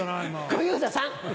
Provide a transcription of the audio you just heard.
小遊三さん！